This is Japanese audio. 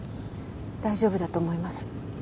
大丈夫だと思います。